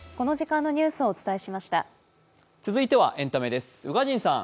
続いてはエンタメです。